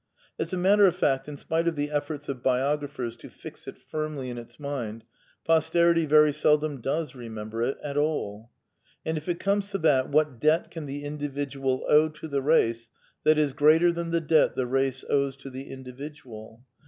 As a matter of fact, in spite of the efforts of biographers to fix it firmly in its mind, posterity very seldom does remem ber it at all.) And if it comes to that, what debt can the X individual owe to the race that is greater than the debt the race owes to the individual